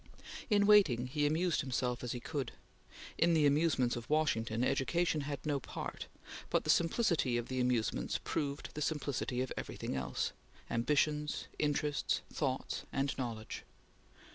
In waiting, he amused himself as he could. In the amusements of Washington, education had no part, but the simplicity of the amusements proved the simplicity of everything else, ambitions, interests, thoughts, and knowledge.